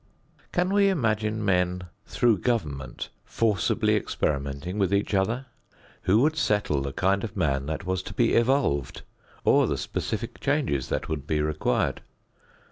Can we imagine men, through government, forcibly experimenting with each other? Who would settle the kind of man that was to be evolved or the specific changes that would be required?